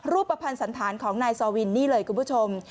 รูปภัณฑ์สันธารของนายซอวินนี่เลยคุณผู้ชม